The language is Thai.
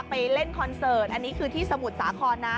เล่นคอนเสิร์ตอันนี้คือที่สมุทรสาครนะ